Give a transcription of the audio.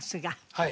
はい。